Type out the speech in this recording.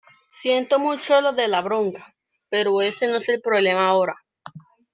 siento mucho lo de la bronca, pero ese no es el problema ahora.